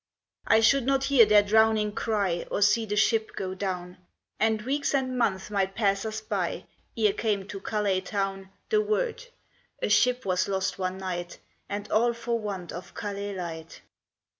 " I should not hear their drowning cry, Or see the ship go down, And weeks and months might pass us by, Ere came to Calais town The word ' A ship was lost one night, And all for want of Calais Light.'